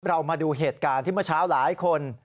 เรามาดูเหตุการณ์ที่เมื่อเช้าหลายคน